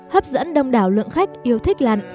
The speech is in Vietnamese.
hấp dẫn đông đảo lượng khách yêu thích lặn